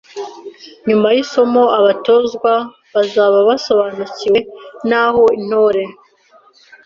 Nyuma y’isomo abatozwa bazaba basobanukiwe n’ aho intore